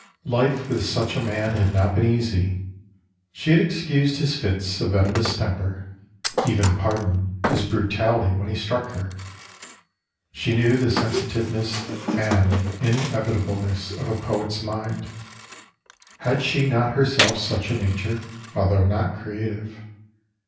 Life with such a man had not been easy. She had ex cused his fits of venemous temper, even pardoned his bru tality when he struck her ; she knew the sensitiveness and inevitableness of a poet's mind, had she not herself such a nature, although not creative.